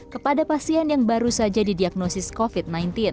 kepada pasien yang baru saja didiagnosis covid sembilan belas